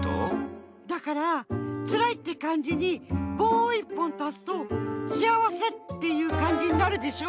だから「つらい」ってかんじにぼうをいっぽんたすと「幸せ」っていうかんじになるでしょ？